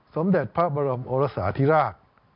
สมเด็จพระบรมโอรสาธิราช